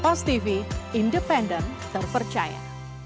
pak jokowi itu sudah mau